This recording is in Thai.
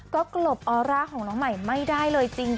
ก็กลบออร่าของน้องใหม่ไม่ได้เลยจริง